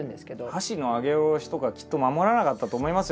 箸の上げ下ろしとかきっと守らなかったと思いますよ。